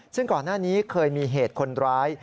ซึ่งก่อนหน้านี้เคยมีเหตุคนร้าย